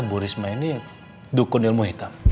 bu risma ini dukun ilmu hitam